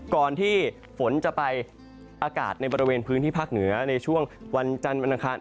ก่อนที่ฝนจะไปอากาศในบริเวณพื้นที่ภาคเหนือในช่วงวันจันทร์วันอังคาร